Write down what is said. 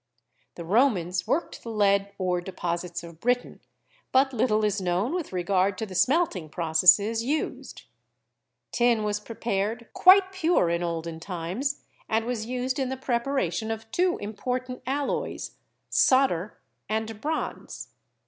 The Romans worked the lead ore deposits of Britain, but little is known with regard to the smelting processes used. Tin was pre pared quite pure in olden times and was used in the prep aration of two important alloys, solder and bronze.